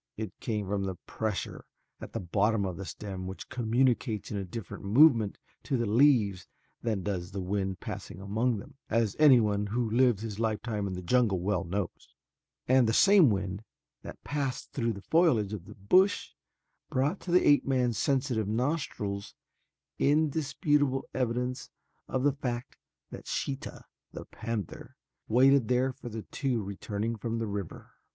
It came from pressure at the bottom of the stem which communicates a different movement to the leaves than does the wind passing among them, as anyone who has lived his lifetime in the jungle well knows, and the same wind that passed through the foliage of the bush brought to the ape man's sensitive nostrils indisputable evidence of the fact that Sheeta, the panther, waited there for the two returning from the river.